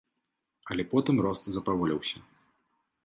Але потым рост запаволіўся.